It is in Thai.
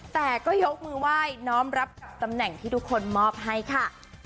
แต่ก็ยกมือไหว้น้อมรับตำแหน่งที่ทุกคนมอบให้ค่ะ